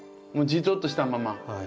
もうジトッとしたまま。